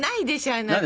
あなた。